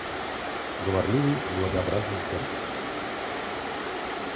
Говорливый, благообразный старик.